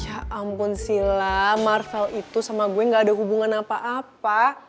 ampun sila marvel itu sama gue gak ada hubungan apa apa